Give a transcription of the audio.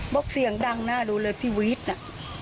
บอกเสียงดังน่ารู้เลยทีวีทน่ะ